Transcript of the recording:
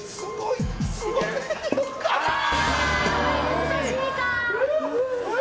難しいか。